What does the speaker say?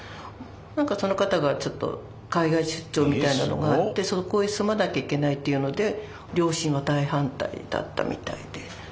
なんかその方がちょっと海外出張みたいなのがあってそこへ住まなきゃいけないっていうので両親は大反対だったみたいで。